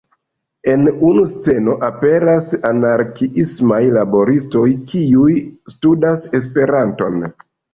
En unu sceno aperas anarkiismaj laboristoj, kiuj studas Esperanton.